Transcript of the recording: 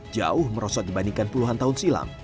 jauh merosot dibandingkan puluhan tahun silam